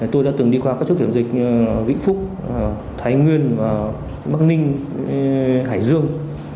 tôi đã từng đi qua các chốt kiểm dịch vĩnh phúc thái nguyên và bắc ninh hải dương